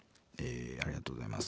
ありがとうございます。